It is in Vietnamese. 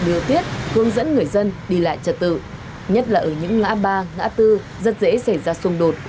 đưa tiết hướng dẫn người dân đi lại trật tự nhất là ở những ngã ba ngã tư rất dễ xảy ra xung đột ồn ứ